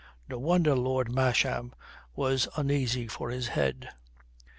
No wonder Lord Masham was uneasy for his head.